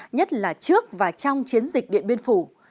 nhất là trước và trong chiến dịch điện biên phủ